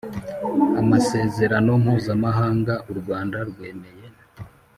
Amasezerano Mpuzamahanga u Rwanda rwemeye